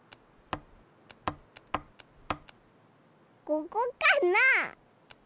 ここかな？